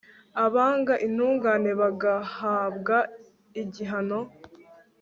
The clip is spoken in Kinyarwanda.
abanga intungane bagahabwa igihano